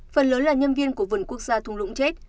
phần lớn là nhân viên của vườn quốc gia thung lũng chết